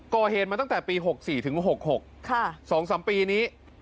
ก็เฮียนมาตั้งแต่ปีหกสี่ถึงหกหกว่านี้สองสามปีนี้